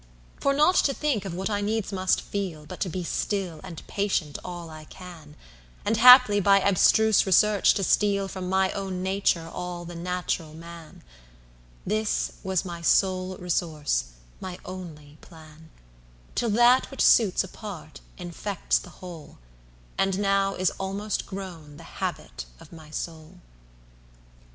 For not to think of what I needs must feelBut to be still and patient, all I can; And haply by abstruse research to stealFrom my own nature all the natural man—This was my sole resource, my only plan; Till that which suits a part infects the whole, And now is almost grown the habit of my soul.